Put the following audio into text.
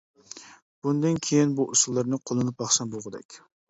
بۇندىن كېيىن بۇ ئۇسۇللارنى قوللىنىپ باقسام بولغۇدەك.